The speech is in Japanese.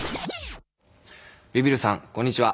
ビビるさんこんにちは。